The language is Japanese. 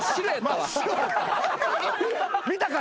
見たか？